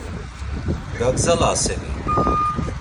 Gagzalasen-i?